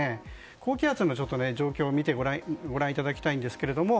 高気圧の状況をご覧いただきたいんですが。